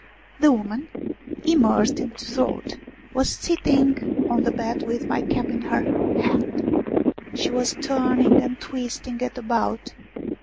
The woman, immersed in thought, was sitting on the bed with my cap in her hand. She was turning and twisting it about.